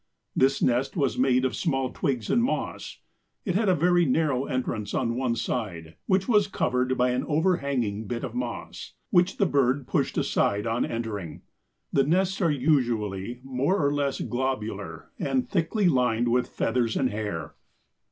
This nest was made of small twigs and moss. It had a very narrow entrance on one side, which was covered by an overhanging bit of moss, which the bird pushed aside on entering. The nests are usually more or less globular and thickly lined with feathers and hair.